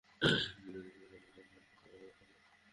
কপাল ভালো হলে সেখানে আপনার হারানো ফোনের কিছু ছবি ব্যাকআপ পেতে পারেন।